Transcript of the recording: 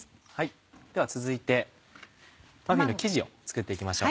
では続いてマフィンの生地を作って行きましょう。